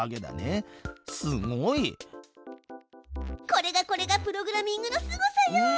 これがこれがプログラミングのすごさよ！